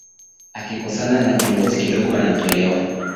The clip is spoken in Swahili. akikosana na kiongozi kidogo anatolewa